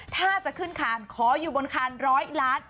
ถ้าจะขึ้นคานขออยู่บนคานร้อยล้าน